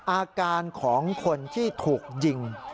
อาการของคนที่ถูกยิง